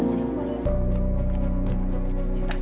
gustaf mau di gustaf